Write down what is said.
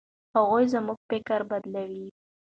هغوی زموږ فکر بدلوي.